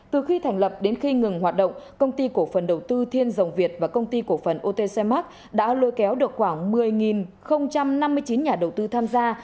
từ khi thành lập đến khi ngừng hoạt động công ty cổ phần đầu tư thiên dòng việt và công ty cổ phần otc mac đã lôi kéo được khoảng một mươi năm mươi chín nhà đầu tư tham gia